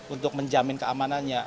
untuk menjamin keamanannya